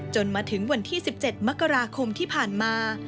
จนถึงวันที่๑๗มกราคมที่ผ่านมา